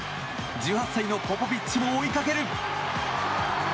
１８歳のポポビッチも追いかける。